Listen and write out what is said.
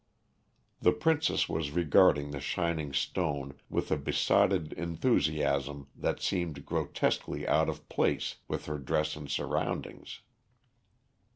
The princess was regarding the shining stone with a besotted enthusiasm that seemed grotesquely out of place with her dress and surroundings.